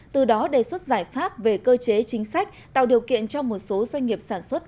từ đó đề xuất giải pháp về cơ chế chính sách tạo điều kiện cho một số doanh nghiệp sản xuất